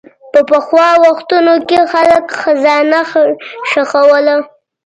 په پخوا وختونو کې خلک خزانه ښخوله.